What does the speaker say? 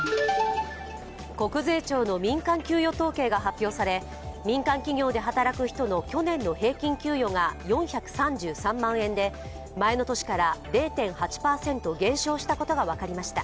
国税庁の民間給与統計が発表され民間企業で働く人の去年の平均給与が４３３万円で前の年から０．８％減少したことが分かりました。